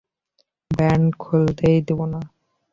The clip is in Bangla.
ব্যান্ড খোলতেই দিব না।